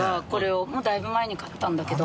もうだいぶ前に買ったんだけど。